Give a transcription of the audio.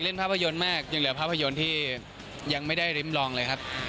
ภาพยนตร์มากยังเหลือภาพยนตร์ที่ยังไม่ได้ริมลองเลยครับ